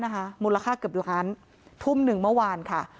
มูลค่าเกือบล้านทุ่มหนึ่งเมื่อวานค่ะ